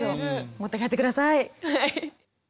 持って帰って下さい。